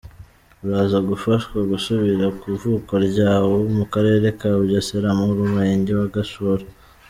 Uraza gufashwa gusubira ku ivuko ryawo mu Karere ka Bugesera mu Murenge wa Gashora.